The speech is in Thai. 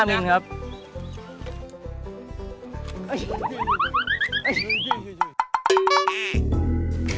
สามิลลิเมตรครับสามถึงห้ามิลลิเมตรครับ